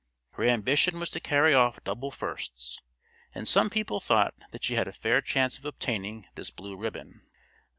Her ambition was to carry off double firsts, and some people thought that she had a fair chance of obtaining this blue ribbon.